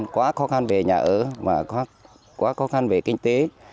quá khó khăn về nhà ở mà quá khó khăn về kinh tế